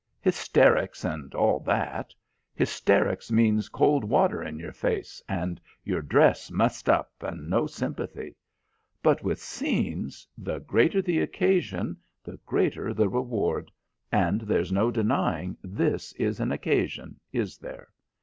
Hysterics and all that. Hysterics means cold water in your face and your dress messed up and no sympathy. But with scenes, the greater the occasion the greater the reward, and there's no denying this is an occasion, is there?